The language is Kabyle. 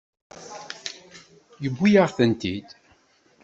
Yewwi-yaɣ-tent-id.